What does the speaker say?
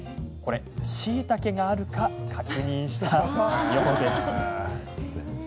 しいたけがあるか確認したようです。